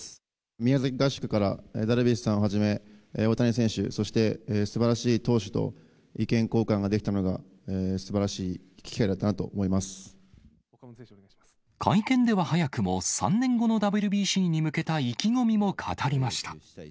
宮崎合宿から、ダルビッシュさんをはじめ、大谷選手、そしてすばらしい投手と意見交換ができたのが、すばらしい機会だ会見では、早くも３年後のＷＢＣに向けた意気込みも語りました。